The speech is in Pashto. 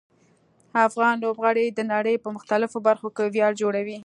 افغان لوبغاړي د نړۍ په مختلفو برخو کې ویاړ جوړوي.